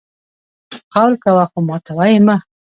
قول کوه خو ماتوه یې مه!